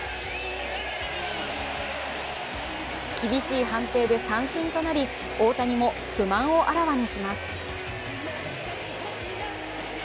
厳しい判定で三振となり、大谷も不満をあらわにします。